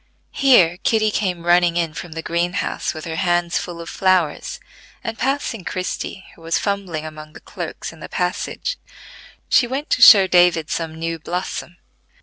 Here Kitty came running in from the green house with her hands full of flowers, and passing Christie, who was fumbling among the cloaks in the passage, she went to show David some new blossom.